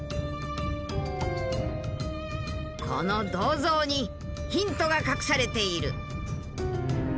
この銅像にヒントが隠されている。